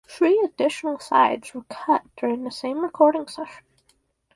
Three additional sides were cut during the same recording session.